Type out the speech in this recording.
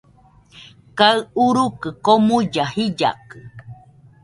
Kaɨ urukɨ komuilla jillakɨ